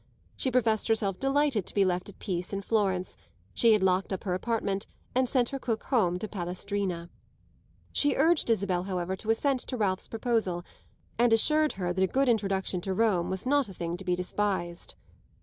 She professed herself delighted to be left at peace in Florence; she had locked up her apartment and sent her cook home to Palestrina. She urged Isabel, however, to assent to Ralph's proposal, and assured her that a good introduction to Rome was not a thing to be despised.